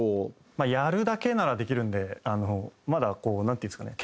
まあやるだけならできるんでまだこうなんていうんですかね。